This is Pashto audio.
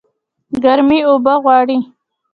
ګرمي اوبه غواړي